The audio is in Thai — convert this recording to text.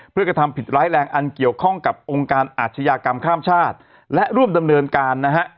เพื่อกระทำผิดร้ายแรงอันเกี่ยวข้องกับองค์การอาชญากรรมข้ามชาติและร่วมดำเนินการนะฮะ